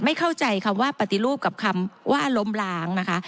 ไม่เข้าใจคำว่าปฏิรูปกับคำว่าล้มล้างนะคะ